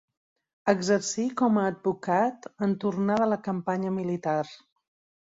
Exercí com a advocat en tornar de la campanya militar.